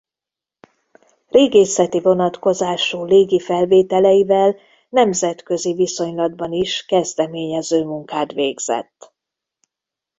Régészeti vonatkozású légi felvételeivel nemzetközi viszonylatban is kezdeményező munkát végzett.